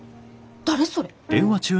誰それ？